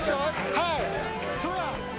はい！